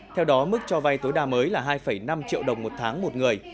theo đó mức cho vay tối đa mới là hai năm triệu đồng một tháng một người